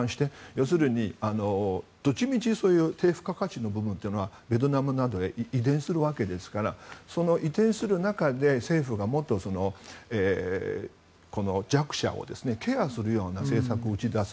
要するに、どっちみちそういう低付加価値の部分はベトナムなどへ遺伝するわけですからその遺伝する中で政府がもっと弱者をケアするような政策を打ち出す。